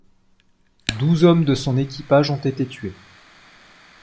Douze homme de son équipage ont été tués.